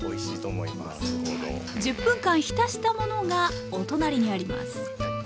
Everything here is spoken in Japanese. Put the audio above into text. １０分間浸したものがお隣にあります。